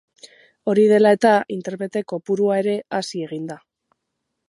Hori dela eta, interprete kopurua ere hazi egin da.